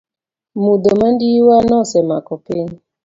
Mudho mandiwa nosemako piny.